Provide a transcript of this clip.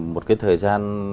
một cái thời gian